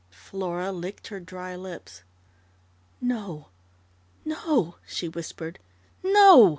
Flora licked her dry lips. "No no," she whispered. "_No!